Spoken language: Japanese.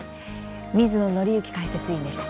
水野倫之解説委員でした。